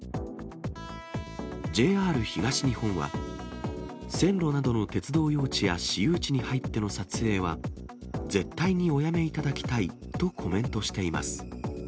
ＪＲ東日本は、線路などの鉄道用地や私有地に入っての撮影は、絶対におやめいただきたいとコメントしています。